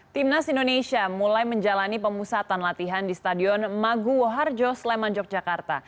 timnas indonesia mulai menjalani pemusatan latihan di stadion maguwo harjo sleman yogyakarta